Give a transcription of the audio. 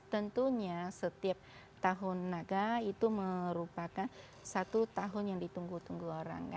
tentunya setiap tahun naga itu merupakan satu tahun yang ditunggu tunggu orang